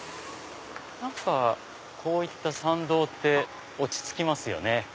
何かこういった参道って落ち着きますよね。